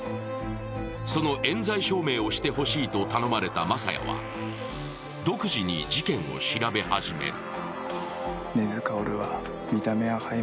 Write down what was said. そのえん罪証明をしてほしいと頼まれた雅也は、独自に事件を調べ始める。